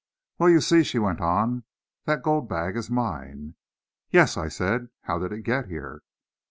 "Well, you see," she went on, "that gold bag is mine." "Yes," I said; "how did it get here?"